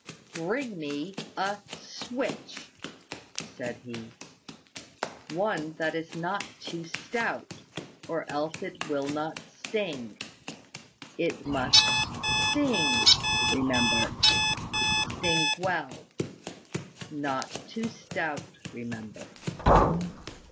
"Bring me a switch" said he. "One that is not too stout, or else it will not sting. It must sting, remember, sting well. Not too stout, remember."